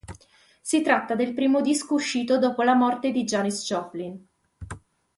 Si tratta del primo disco uscito dopo la morte di Janis Joplin.